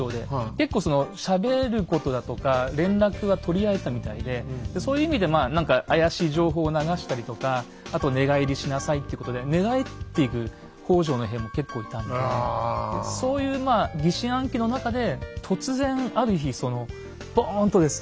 結構そのしゃべることだとか連絡は取り合えたみたいでそういう意味でまあ何か怪しい情報を流したりとかあと寝返りしなさいってことで寝返っていく北条の兵も結構いたんでそういうまあ疑心暗鬼の中で突然ある日そのボーンとですね。